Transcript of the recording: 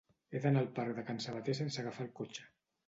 He d'anar al parc de Can Sabater sense agafar el cotxe.